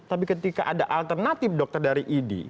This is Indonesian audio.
tapi ketika ada alternatif dokter dari idi